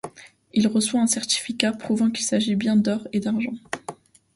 Il reçoit un certificat prouvant qu'il s'agit bien d'or et d'argent.